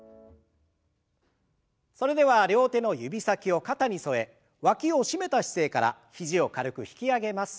それでは両手の指先を肩に添えわきを締めた姿勢から肘を軽く引き上げます。